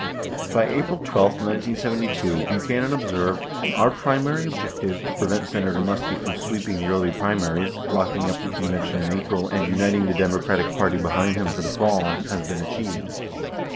By April 12, 1972, Buchanan observed, "Our primary objective, to prevent Senator Muskie from sweeping the early primaries, locking up the convention in April, and uniting the Democratic Party behind him for the fall, has been achieved."